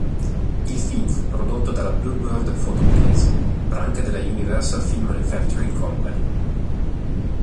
Il film fu prodotto dalla Bluebird Photoplays, branca della Universal Film Manufacturing Company.